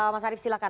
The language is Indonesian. mas sharif silahkan